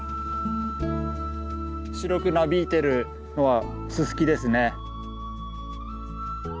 白くなびいてるのはススキですね。